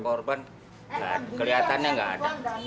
korban kelihatannya nggak ada